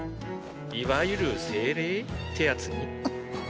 いわゆる精霊？ってやつに。